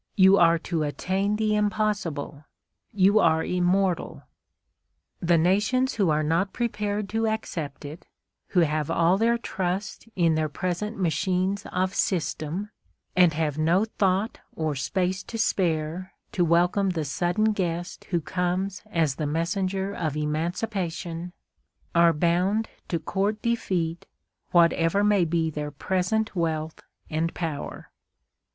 You are to attain the impossible, you are immortal"? The nations who are not prepared to accept it, who have all their trust in their present machines of system, and have no thought or space to spare to welcome the sudden guest who comes as the messenger of emancipation, are bound to court defeat whatever may be their present wealth and power.